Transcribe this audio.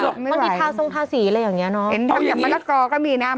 ไม่ไหวบางทีทาทรงทาสีอะไรอย่างเงี้ยน้องเอาอย่างงี้เอาอย่างงี้มะละกอก็มีน่ะ